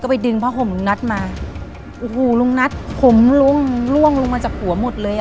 ไปดึงผ้าห่มลุงนัทมาโอ้โหลุงนัทผมล้มล่วงลงมาจากหัวหมดเลยอ่ะ